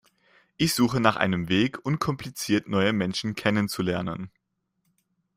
Ich suche nach einem Weg, unkompliziert neue Menschen kennenzulernen.